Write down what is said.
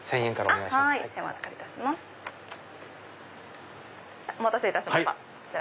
お待たせいたしました。